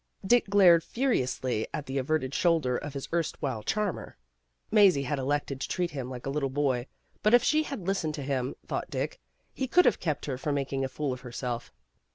Dick glared furiously at the averted shoulder of his erst while charmer. Mazie had elected to treat him like a little boy, but if she had lis tened to him, thought Dick, he could have kept her from making a fool of herself.